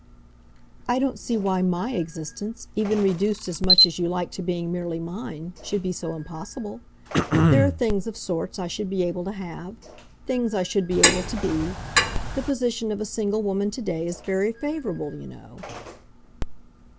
"I don't see why MY existence even reduced as much as you like to being merely mine should be so impossible. There are things, of sorts, I should be able to have things I should be able to be. The position of a single woman to day is very favourable, you know."